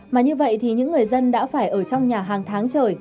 mà như vậy thì những người dân đã phải ở trong nhà hàng tháng trời